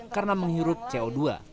karena menghirup co dua